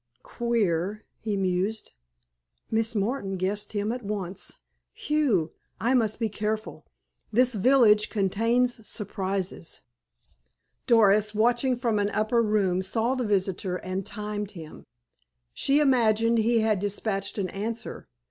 "Queer!" he mused. "Miss Doris guessed him at once. Phi ew, I must be careful! This village contains surprises." Doris, watching from an upper room, saw the visitor, and timed him. She imagined he had dispatched an answer.